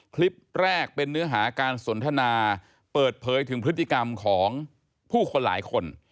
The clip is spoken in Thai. คลิปแรกเป็นเนื้อหาการสนทนาเปิดเผยถึงพฤติกรรมของผู้คนหลายคน